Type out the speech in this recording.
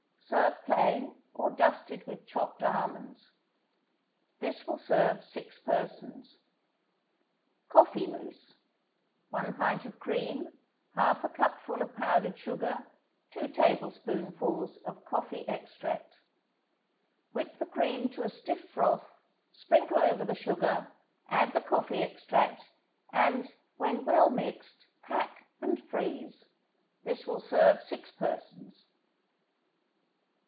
Serve plain or dusted with chopped almonds. This will serve six persons. COFFEE MOUSSE 1 pint of cream 1/2 cupful of powdered sugar 2 tablespoonfuls of coffee extract Whip the cream to a stiff froth, sprinkle over the sugar, add the coffee extract, and, when well mixed, pack and freeze. This will serve six persons.